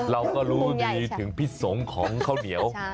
เราก็รู้ดีถึงพิสงฆ์ของข้าวเหนียว